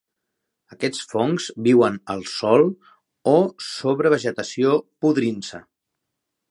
Aquests fongs viuen el sòl o sobre vegetació podrint-se.